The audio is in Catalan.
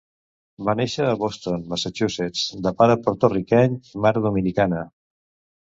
Va néixer a Boston, Massachusetts, de pare porto-riqueny i mare dominicana.